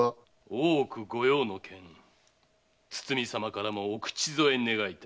大奥御用の件堤様からもお口添え願いたく。